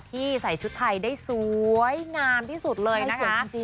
ใส่ชุดไทยได้สวยงามที่สุดเลยนะคะ